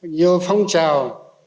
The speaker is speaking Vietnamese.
nhiều phong trào